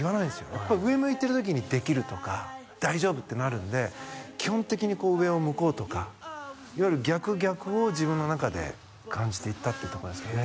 やっぱ上向いてる時にできるとか大丈夫ってなるんで基本的にこう上を向こうとかいわゆる逆逆を自分の中で感じていったってとこですかね